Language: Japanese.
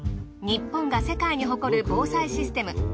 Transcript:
日本が世界に誇る防災システム